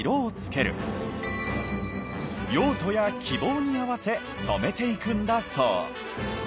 用途や希望に合わせ染めていくんだそう。